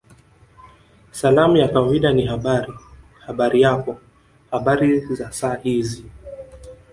Salamu ya kawaida ni Habari Habari yako Habari za saa hizi